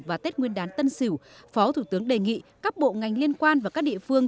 và tết nguyên đán tân sửu phó thủ tướng đề nghị các bộ ngành liên quan và các địa phương